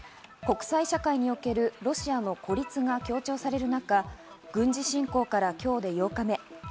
国際社会におけるロシアの孤立が強調される中、軍事侵攻から今日で８日目。